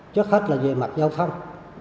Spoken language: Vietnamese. trước hết là về mặt giao thông